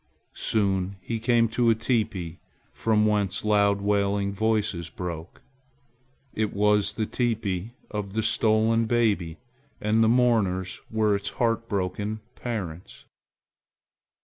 Soon he came to a teepee from whence loud wailing voices broke. It was the teepee of the stolen baby and the mourners were its heart broken parents.